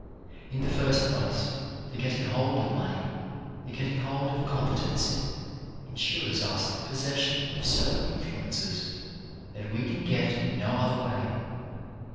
In the first place the getting hold of money, the getting hold of a competency, insures us the possession of certain influences that we can get in no other 2 7© CHARACTER BUILDING way.